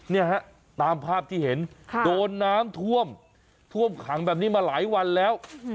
เนี่ยฮะตามภาพที่เห็นโดนน้ำท่วมท่วมขังแบบนี้มาหลายวันแล้ว